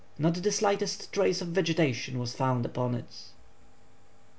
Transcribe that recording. Not the slightest trace of vegetation was found upon it.